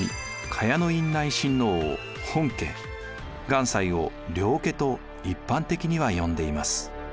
願西を領家と一般的には呼んでいます。